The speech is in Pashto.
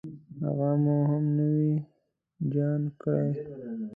هغه مو هم نوي جان کړې.